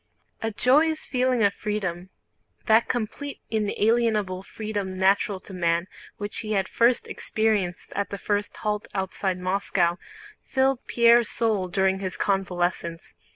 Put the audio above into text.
A joyous feeling of freedom—that complete inalienable freedom natural to man which he had first experienced at the first halt outside Moscow—filled Pierre's soul during his convalescence.